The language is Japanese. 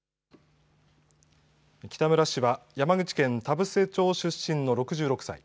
北村氏は山口県田布施町出身の６６歳。